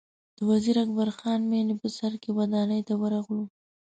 د وزیر اکبر خان مېنې په سر کې ودانۍ ته ورغلو.